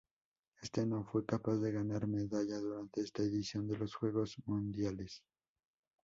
Este, no fue capaz de ganar medalla durante esta edición de los Juegos Mundiales